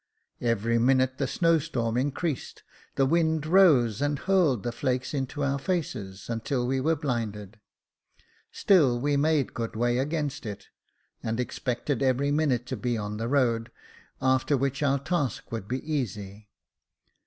Every minute the snow storm increased, the wind rose, and hurled the flakes into our faces until we were blinded. Still we made good way against it, and expected every minute to be on the road, after which our task would be easy.